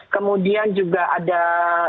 kemudian juga ada bpum